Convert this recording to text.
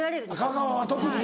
香川は特に？